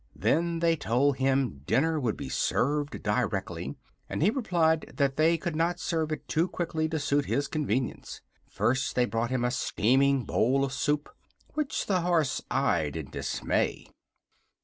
Then they told him dinner would be served directly and he replied that they could not serve it too quickly to suit his convenience. First they brought him a steaming bowl of soup, which the horse eyed in dismay.